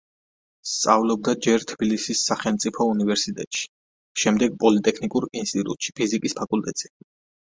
სწავლობდა ჯერ თბილისის სახელმწიფო უნივერსიტეტში, შემდეგ პოლიტექნიკურ ინსტიტუტში, ფიზიკის ფაკულტეტზე.